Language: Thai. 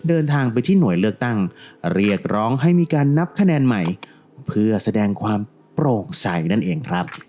เดินทางไปที่หน่วยเลือกตั้งเรียกร้องให้มีการนับคะแนนใหม่เพื่อแสดงความโปร่งใสนั่นเองครับ